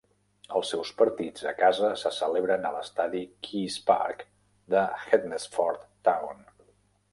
Els seus partits a casa se celebren a l'estadi Keys Park del Hednesford Town.